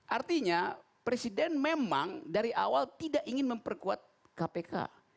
artinya presiden memang dari awal tidak ingin memperkuat kpk